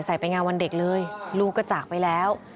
ไปงานวันเด็กเลยลูกก็จากไปแล้ว